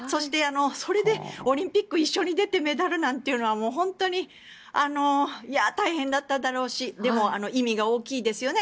それでオリンピック一緒に出てメダルなんていうのは大変だっただろうしでも、意味が大きいですよね。